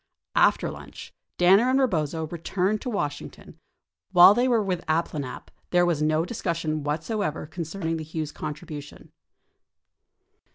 After lunch, Danner and Eebozo returned to Washington. While they were with the Abplanalps, there was no discussion whatsoever concerning the Hughes contribution.